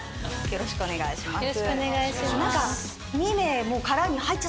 よろしくお願いします。